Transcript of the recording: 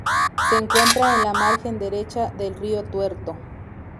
Se encuentra en la margen derecha del río Tuerto.